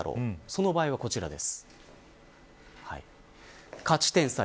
その場合はこちらです。